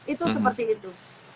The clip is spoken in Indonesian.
itu seperti itu